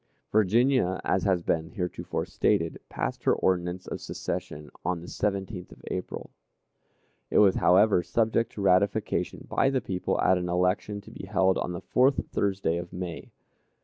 Virginia, as has been heretofore stated, passed her ordinance of secession on the 17th of April. It was, however, subject to ratification by the people at an election to be held on the fourth Thursday of May.